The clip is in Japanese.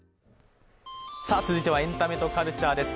続いてはエンタメとカルチャーです。